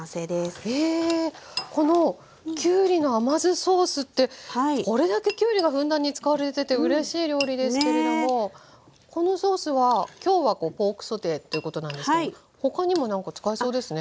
このきゅうりの甘酢ソースってこれだけきゅうりがふんだんに使われててうれしい料理ですけれどもこのソースは今日はポークソテーっていうことなんですけど他にも何か使えそうですね。